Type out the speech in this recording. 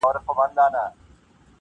چي بوډا رخصتېدی له هسپتاله-